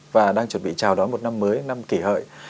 và đang chuẩn bị chào đón một năm mới năm kỷ hợi